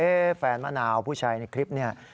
แฟนมะนาวผู้ชายในคลิปนี้